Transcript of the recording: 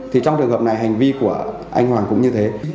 thì trong trường hợp này hành vi của anh hoàng cũng như thế